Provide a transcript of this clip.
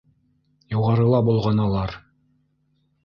Юғарыла болғаналар.